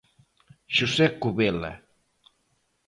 Xosé Covela.